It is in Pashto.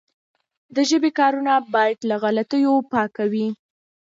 د ژبي کارونه باید له غلطیو پاکه وي.